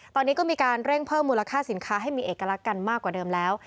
ตอนนี้ก็มีการเร่งเพิ่มมูลค่าสินค้าให้มีเอกลักษณ์กันมากกว่าเดิมแล้ว